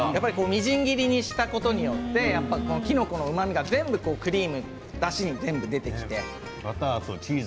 みじん切りにしたことによってきのこのうまみが全部クリームにだしにしみて。